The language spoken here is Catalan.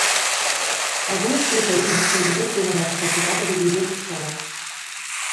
Algunes proteïnes fins i tot tenen la capacitat de dividir-se soles.